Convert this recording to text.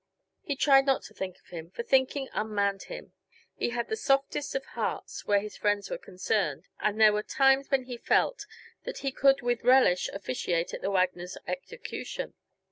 He tried not to think of him, for thinking unmanned him. He had the softest of hearts where his friends were concerned, and there were times when he felt that he could with relish officiate at the Wagners' execution.